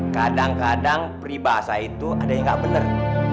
kadang kadang pribahasa itu adanya gak bener